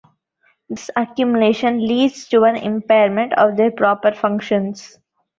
This accumulation leads to an impairment of their proper functions.